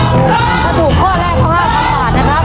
ถ้าถูกข้อแรกข้อห้าคำตอบนะครับ